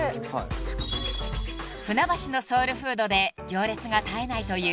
［船橋のソウルフードで行列が絶えないという］